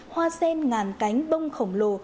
hoa sen ngàn cánh bông khổng lồ